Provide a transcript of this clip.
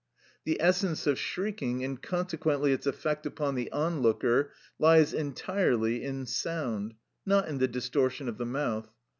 The essence of shrieking, and consequently its effect upon the onlooker, lies entirely in sound; not in the distortion of the mouth.